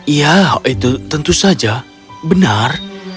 ya itu tentu saja benar